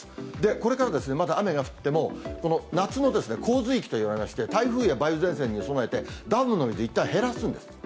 これからまた雨が降っても、この夏の洪水期といわれまして、台風や梅雨前線に備えて、ダムの量、いったん減らすんです。